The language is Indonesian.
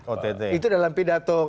ott itu dalam pidato